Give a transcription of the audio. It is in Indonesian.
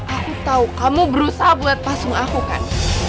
aku tahu kamu berusaha buat pasung aku kan